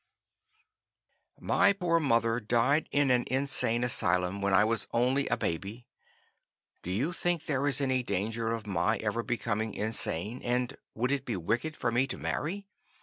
"My poor mother died in an insane asylum when I was only a baby. Do you think there is any danger of my ever becoming insane and would it be wicked for me to marry?